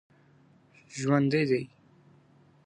ژوندی دی